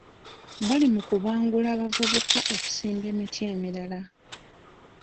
Bali mu kubangula bavubuka okusimba emiti emirala.